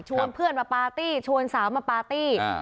เพื่อนมาปาร์ตี้ชวนสาวมาปาร์ตี้